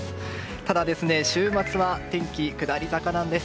ただ週末は天気、下り坂なんです。